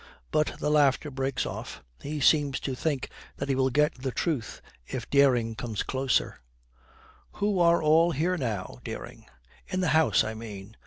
But the laughter breaks off. He seems to think that he will get the truth if Dering comes closer, 'Who are all here now, Dering; in the house, I mean?